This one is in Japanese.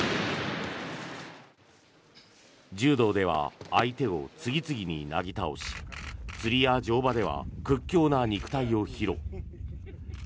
柔道では相手を次々になぎ倒し釣りや乗馬では屈強な肉体を披露。